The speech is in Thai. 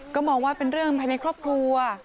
ก็มองว่าเป็นเรื่องภายในครอบครัว